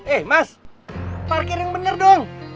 eh mas parkir yang benar dong